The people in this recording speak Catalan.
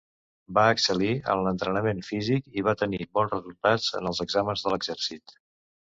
Va excel·lir en l'entrenament físic i va tenir bons resultats en els exàmens de l'exèrcit.